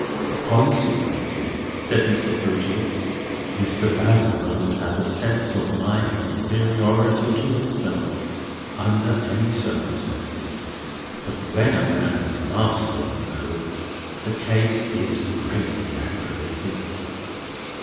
"Consequently," said Mr. Grewgious, "Mr. Bazzard would have a sense of my inferiority to himself under any circumstances; but when I am his master, you know, the case is greatly aggravated."